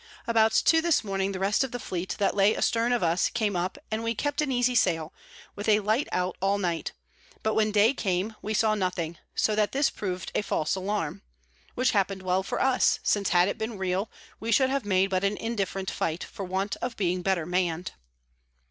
About two this morning the rest of the Fleet that lay a stern of us came up, and we kept an easy Sail, with a Light out all Night; but when Day came, we saw nothing, so that this prov'd a false Alarm: which happen'd well for us, since had it been real, we should have made but an indifferent Fight, for want of being better mann'd.